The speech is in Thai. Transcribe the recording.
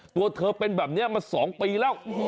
ตัวเธอเป็นแบบนี้มา๒ปีแล้ว